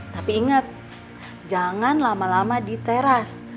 tapi ingat jangan lama lama diteras